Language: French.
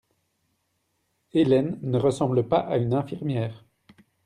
Ellen ne ressemble pas à une infirmière.